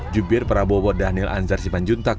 jubir prabowo daniel anzar simanjuntak